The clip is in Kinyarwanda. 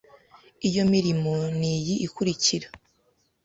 Iyo mirimo ni iyi ikurikira